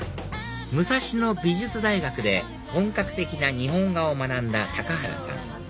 武蔵野美術大学で本格的な日本画を学んだ原さん